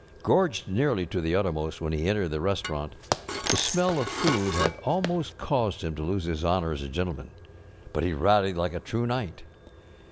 Gorged nearly to the uttermost when he entered the restaurant, the smell of food had almost caused liim to lose his honor as a gentleman, but he rallied like a true knight.